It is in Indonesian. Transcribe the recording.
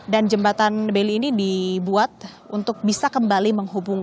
jembatan beli ini dibuat untuk bisa kembali menghubungkan